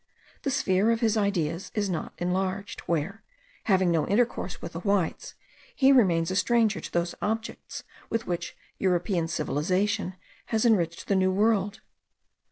The sphere of his ideas is not enlarged, where, having no intercourse with the whites, he remains a stranger to those objects with which European civilization has enriched the New World.